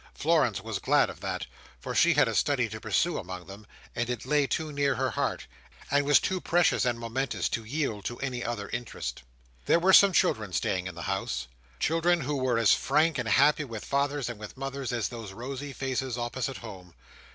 Florence was glad of that; for she had a study to pursue among them, and it lay too near her heart, and was too precious and momentous, to yield to any other interest. There were some children staying in the house. Children who were as frank and happy with fathers and with mothers as those rosy faces opposite home.